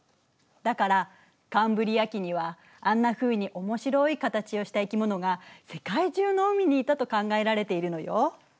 だからカンブリア紀にはあんなふうに面白い形をした生き物が世界中の海にいたと考えられているのよ。